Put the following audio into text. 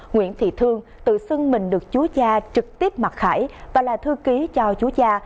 nguyễn thị thương tự xưng mình được chú cha trực tiếp mặt khải và là thư ký cho chú cha